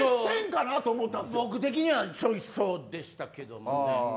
僕的にはそうでしたけどね。